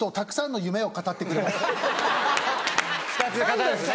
２つ語るんすね。